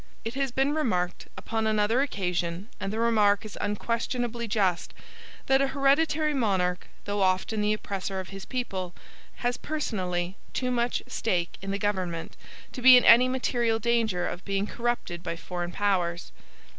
It has been remarked, upon another occasion, and the remark is unquestionably just, that an hereditary monarch, though often the oppressor of his people, has personally too much stake in the government to be in any material danger of being corrupted by foreign powers.